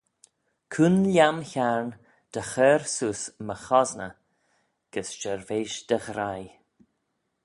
Cooin lhiam Hiarn dy chur seose my chosney gys shirveish dy ghraih.